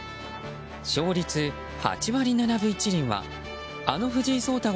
勝率８割７分１厘はあの藤井聡太